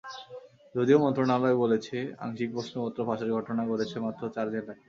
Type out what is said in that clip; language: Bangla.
যদিও মন্ত্রণালয় বলেছে, আংশিক প্রশ্নপত্র ফাঁসের ঘটনা ঘটেছে মাত্র চার জেলায়।